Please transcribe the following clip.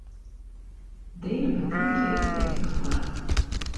Dêr betankje ik deftich foar!